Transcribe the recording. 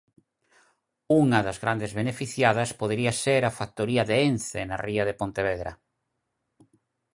Unha das grandes beneficiadas podería ser a factoría de Ence na ría de Pontevedra.